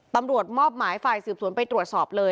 ตำรวจมอบหมายฝ่ายสืบสวนไปตรวจสอบเลย